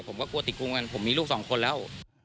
ผมก็กลัวติดกรุงกันผมมีลูกสองคนแล้ว